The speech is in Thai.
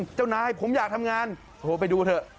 เจ้านายผมอยากทำงานโทรไปดูเถอะ